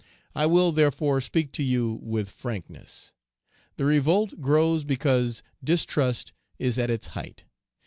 I will therefore speak to you with frankness. The revolt grows because distrust is at its height.